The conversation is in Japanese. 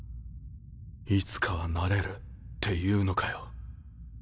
いつかはなれるって言うのかよ。